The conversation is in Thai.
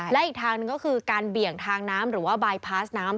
และอีกทางหนึ่งก็คือการเบี่ยงทางน้ำหรือว่าบายพาสน้ำ